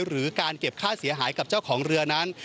หรือการเก็บค่าเสียหายกับเจ้าของเรือนั้น